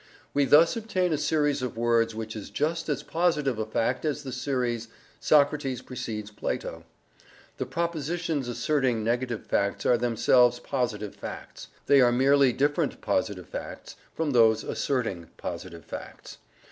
We thus obtain a series of words which is just as positive a fact as the series "Socrates precedes Plato." The propositions asserting negative facts are themselves positive facts; they are merely different positive facts from those asserting positive facts.